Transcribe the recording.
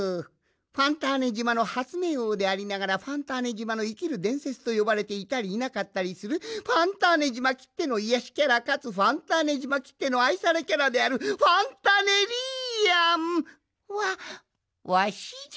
ファンターネ島の発明王でありながらファンターネ島の生きる伝説と呼ばれていたりいなかったりするファンターネ島きっての癒やしキャラかつファンターネ島きっての愛されキャラであるファンタネリアンはわしじゃ。